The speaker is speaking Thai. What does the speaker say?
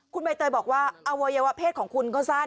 คุณใบเตยบอกว่าอวัยวะเพศของคุณก็สั้น